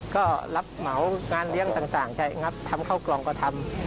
ก็รับเหมางานเลี้ยงต่างใช้งัดทำเข้ากล่องก็ทำ